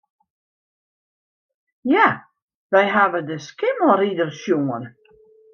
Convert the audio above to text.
Ja, wy hawwe de Skimmelrider sjoen.